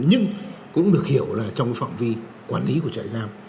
nhưng cũng được hiểu là trong phạm vi quản lý của trại giam